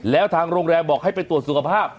แล้วทางโรงแรมบอกให้ไปตรวจสุขภาพ